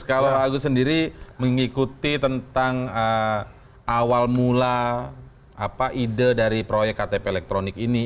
kalau agus sendiri mengikuti tentang awal mula ide dari proyek ktp elektronik ini